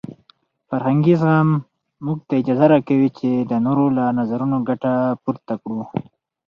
فرهنګي زغم موږ ته اجازه راکوي چې د نورو له نظرونو ګټه پورته کړو.